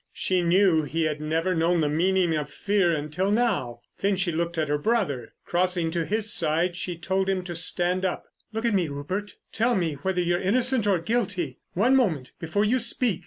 She knew he had never known the meaning of fear until now. Then she looked at her brother. Crossing to his side she told him to stand up. "Look at me, Rupert. Tell me whether you're innocent or guilty—one moment, before you speak.